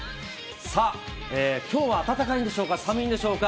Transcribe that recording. さあ、きょうは暖かいんでしょうか、寒いんでしょうか。